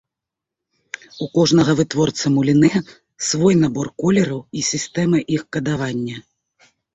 У кожнага вытворцы мулінэ свой набор колераў і сістэма іх кадавання.